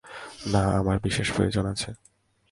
না, আমার বিশেষ প্রয়োজন আছে।